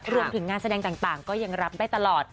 รวมถึงงานแสดงต่างก็ยังรับได้ตลอด